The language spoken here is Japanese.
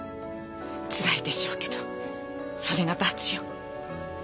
つらいでしょうけどそれが罰よ。